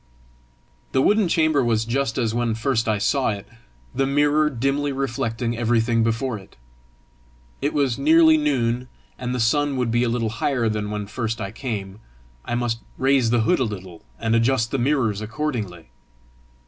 The wooden chamber was just as when first I saw it, the mirror dimly reflecting everything before it. It was nearly noon, and the sun would be a little higher than when first I came: I must raise the hood a little, and adjust the mirrors accordingly!